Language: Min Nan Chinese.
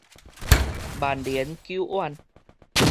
萬年久遠